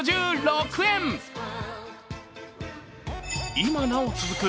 今なお続く